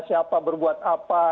siapa berbuat apa